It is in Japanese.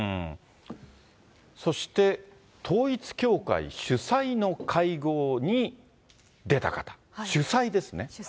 そして、統一教会主催の会合に出た方、主催です。